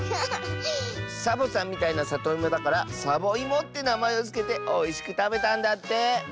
サボさんみたいなさといもだから「サボいも」ってなまえをつけておいしくたべたんだって。